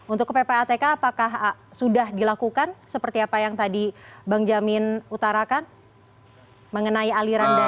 untuk ppatk apakah sudah dilakukan seperti apa yang tadi bang jamin utarakan mengenai aliran dana